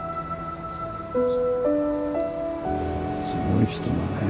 すごい人だね。